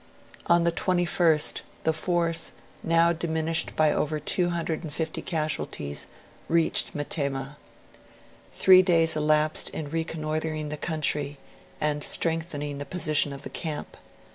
On the 21st, the force, now diminished by over 250 casualties, reached Metemmah. Three days elapsed in reconnoitering the country, and strengthening the position of the camp.